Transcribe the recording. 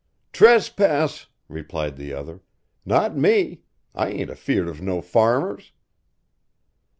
"Trespass," replied the other, "not me. I ain't afeared of no farmers."